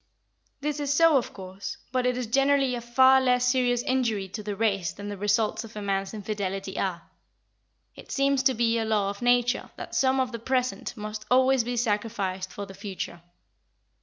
This is so, of course, but it is generally a far less serious injury to the race than the results of a man's infidelity are. It seems to be a law of nature that some of the present must always be sacrificed for the future.